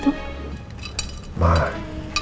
terus ada temennya laki laki ya